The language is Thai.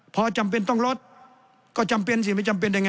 พอจำเป็นต้องลดก็จำเป็นสิไม่จำเป็นยังไง